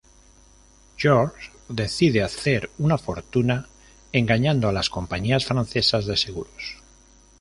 Georges decide hacer una fortuna engañando a las compañías francesas de seguros.